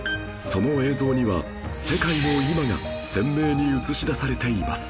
その映像には世界の今が鮮明に映し出されています